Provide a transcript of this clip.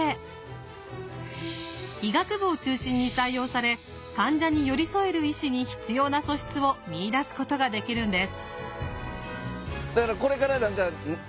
医学部を中心に採用され患者に寄り添える医師に必要な素質を見いだすことができるんです。